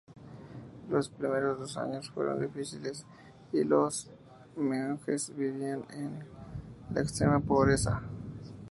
Los primeros dos años fueron difíciles, y los monjes vivían en la extrema pobreza.